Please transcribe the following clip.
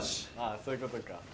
そういうことか。